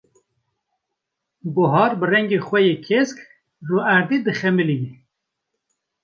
Buhar bi rengê xwe yê kesk, rûerdê dixemilîne.